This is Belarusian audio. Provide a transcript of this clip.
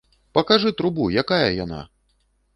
Пакажы трубу, якая яна!